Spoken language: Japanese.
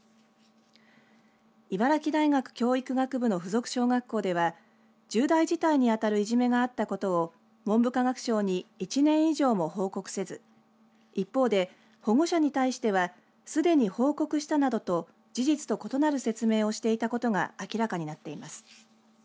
茨城大学教育学部の附属小学校では重大事態に当たるいじめがあったことを文部科学省に１年以上も報告せず一方で保護者に対してはすでに報告したなどと事実と異なる説明をしていたことが明らかになっています。